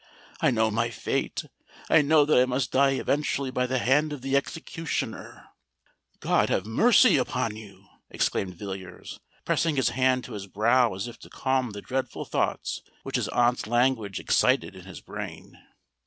I know my fate—I know that I must die eventually by the hand of the executioner——" "God have mercy upon you!" exclaimed Villiers, pressing his hand to his brow as if to calm the dreadful thoughts which his aunt's language excited in his brain.